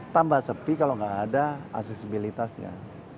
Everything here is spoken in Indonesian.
tambah sepi kalau nggak ada aksesibilitasnya